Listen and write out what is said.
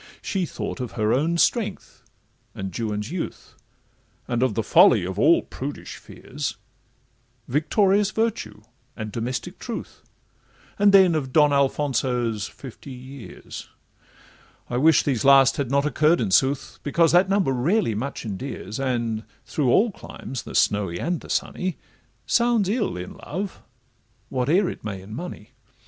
She thought of her own strength, and Juan's youth, And of the folly of all prudish fears, Victorious virtue, and domestic truth, And then of Don Alfonso's fifty years: I wish these last had not occurr'd, in sooth, Because that number rarely much endears, And through all climes, the snowy and the sunny, Sounds ill in love, whate'er it may in money.